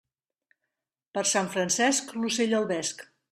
Per Sant Francesc, l'ocell al vesc.